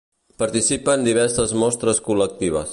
Participa en diverses mostres col·lectives.